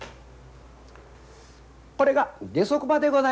これが下足場でございます。